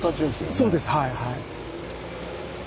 そうですはいはい。